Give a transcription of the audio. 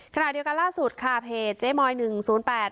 ขณะเดียวกันล่าสุดค่ะเพจเจ๊มอยหนึ่งศูนย์แปด